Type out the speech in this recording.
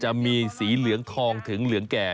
จะมีสีเหลืองทองถึงเหลืองแก่